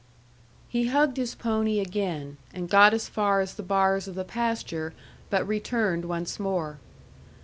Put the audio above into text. He hugged his pony again, and got as far as the bars of the pasture, but returned once more.